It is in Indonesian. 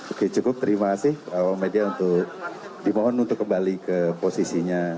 oke cukup terima kasih awam media untuk dimohon untuk kembali ke posisinya